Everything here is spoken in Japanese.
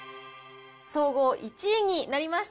総合１位になりました。